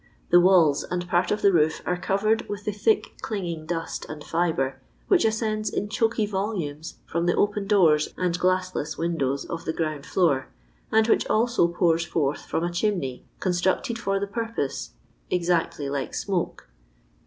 The walU and part of the roof are covered with the thick clinging dust and fibre, which ascends in choky volumes frum the open doors and glassleu windows of the ground floor, and which also pours forth from a chimney, constructed for the purpose, exactly like smoke.